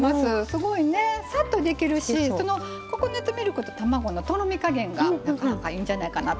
すごいねさっとできるしココナツミルクと卵のとろみ加減がなかなかいいんじゃないかなと思います。